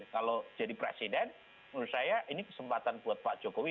kalau jadi presiden menurut saya ini kesempatan buat pak jokowi